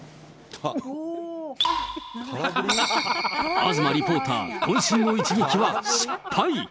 東リポーター、こん身の一撃は失敗。